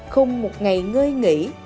không một ngày ngơi nghỉ